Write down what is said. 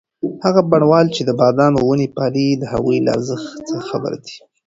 هغه بڼوال چې د بادامو ونې پالي د هغوی له ارزښت څخه خبر دی.